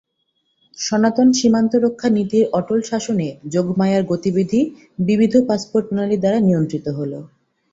সনাতন সীমান্ত-রক্ষা-নীতির অটল শাসনে যোগমায়ার গতিবিধি বিবিধ পাসপোর্ট প্রণালীর দ্বারা নিয়ন্ত্রিত হল।